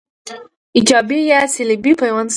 ایجابي یا سلبي پیوند ساتي